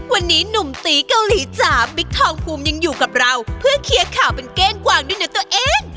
วันนี้หนุ่มตีเกาหลีจ๋าบิ๊กทองภูมิยังอยู่กับเราเพื่อเคลียร์ข่าวเป็นเก้งกวางด้วยนะตัวเอง